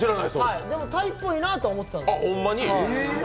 でもタイっぽいなと思ってた。